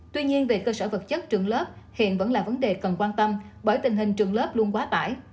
tuy nhiên về cơ sở vật chất trường lớp hiện vẫn là vấn đề cần quan tâm bởi tình hình trường lớp luôn quá tải